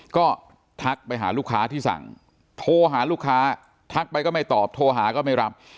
ก็ทักไปหาลูกค้าที่สั่งโทรหาลูกค้าทักไปก็ไม่ตอบโทรหาก็ไม่รับ